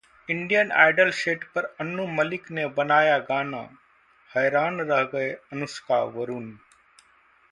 'Indian Idol' set पर अनु मलिक ने बनाया गाना, हैरान रह गए अनुष्का-वरुण